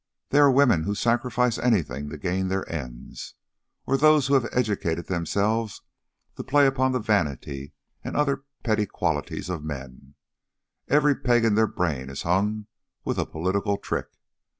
They are women who sacrifice anything to gain their ends, or those who have educated themselves to play upon the vanity and other petty qualities of men; every peg in their brain is hung with a political trick.